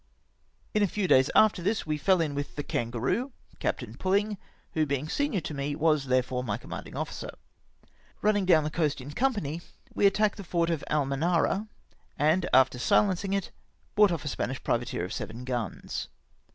In a few days after this, we fell in with the Kangaroo^ Captain PuUing, who, being senior to me, was there fore my commanding ofiicer. Eunning down the 122 ATTACK ON OROPESA. coast in company, we attacked the fort of Almanara, and after silencing it, brought ofl^ a Spanish privateer of seven guns.